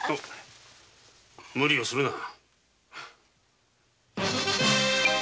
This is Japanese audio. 無理をするな。